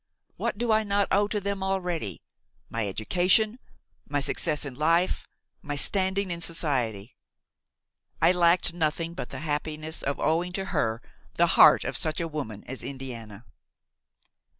What do I not owe to them already! my education, my success in life, my standing in society. I lacked nothing but the happiness of owing to her the heart of such a woman as Indiana."